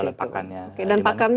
dapat margin dari penjualan pakannya